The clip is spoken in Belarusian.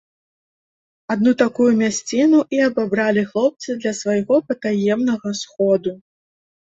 Адну такую мясціну і абабралі хлопцы для свайго патаемнага сходу.